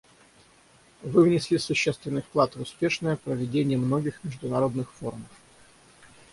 Вы внесли существенный вклад в успешное проведение многих международных форумов.